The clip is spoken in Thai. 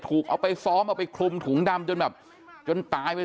ถูกเอาไปซ้อมเอาไปคลุมถุงดำจนตายไป